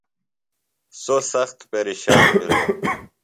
سوۡ سخت پیرشان بِھلوۡ۔